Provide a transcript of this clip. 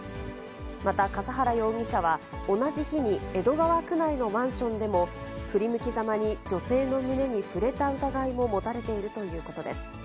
また笠原容疑者は、同じ日に江戸川区内のマンションでも、振り向きざまに女性の胸に触れた疑いも持たれているということです。